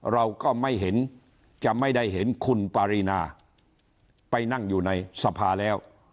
เราก็ไม่เห็นจะไม่ได้เห็นคุณปารีนาไปนั่งอยู่ในสภาแล้ว